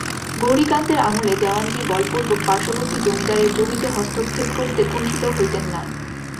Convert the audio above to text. গৌরীকান্তের আমলে দেওয়ানজি বলপূর্বক পার্শ্ববর্তী জমিদারের জমিতে হস্তক্ষেপ করিতে কুণ্ঠিত হইতেন না।